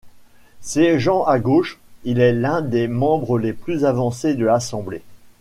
Siégeant à gauche, il est l'un des membres les plus avancés de l'Assemblée.